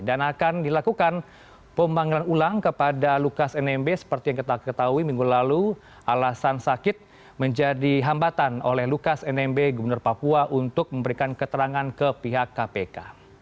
akan dilakukan pemanggilan ulang kepada lukas nmb seperti yang kita ketahui minggu lalu alasan sakit menjadi hambatan oleh lukas nmb gubernur papua untuk memberikan keterangan ke pihak kpk